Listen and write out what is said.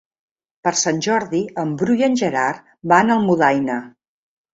Per Sant Jordi en Bru i en Gerard van a Almudaina.